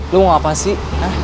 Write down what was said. lo mau apa sih